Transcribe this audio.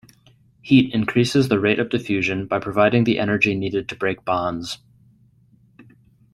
Heat increases the rate of diffusion by providing the energy needed to break bonds.